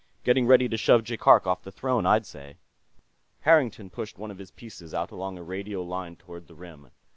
Getting ready to shove Jaikark off the throne, I'd say." Harrington pushed one of his pieces out along a radial line toward the rim.